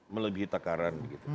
melebihi takaran gitu